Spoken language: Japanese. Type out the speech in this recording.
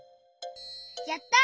やった！